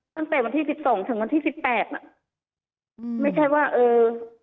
ตั้งแต่วันที่สิบสองถึงวันที่สิบแปดอ่ะอืมไม่ใช่ว่าเออ